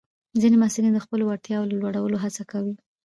ځینې محصلین د خپلو وړتیاوو د لوړولو هڅه کوي.